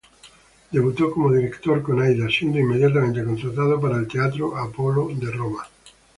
Debutó como director con "Aida", siendo inmediatamente contratado para el Teatro Apollo de Roma.